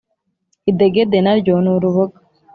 idegede na ryo ni uruboga.